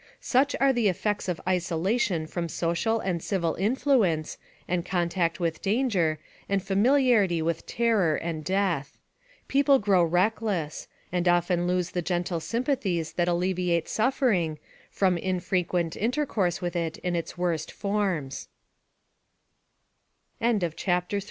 Such are the effects of isolation from social and civil in fluence, and contact with danger, and familiarity with terror and death. People grow reckless, and often lose the gentle sym pathies that alleviate suffering, from frequent inter course with it in its wor